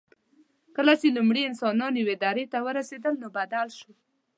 کله چې لومړي انسانان یوې درې ته ورسېدل، نو بدل شو.